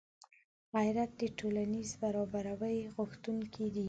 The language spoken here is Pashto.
غیرت د ټولنیز برابري غوښتونکی دی